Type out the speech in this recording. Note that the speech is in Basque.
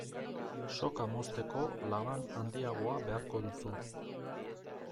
Soka mozteko laban handiago beharko duzu.